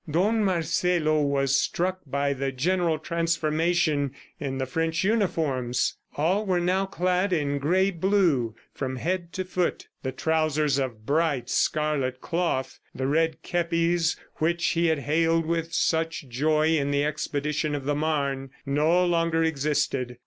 Don Marcelo was struck by the general transformation in the French uniforms. All were now clad in gray blue, from head to foot. The trousers of bright scarlet cloth, the red kepis which he had hailed with such joy in the expedition of the Marne, no longer existed.